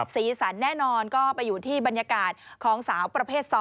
สีสันแน่นอนก็ไปอยู่ที่บรรยากาศของสาวประเภท๒